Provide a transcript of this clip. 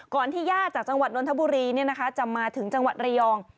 ก่อนที่ญาติจากจังหวะนวลธะบุรีจะมาถึงจังหวัดระยอง